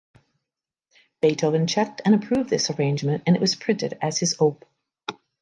Beethoven checked and approved this arrangement and it was printed as his Op.